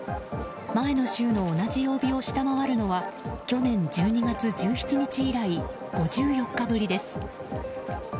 前の週の同じ曜日を下回るのは去年１２月１７日以来５４日ぶりです。